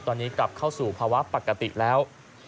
ตอนนี้กลับเข้าสู่ภาวะปกติแล้ว